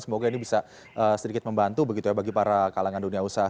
semoga ini bisa sedikit membantu begitu ya bagi para kalangan dunia usaha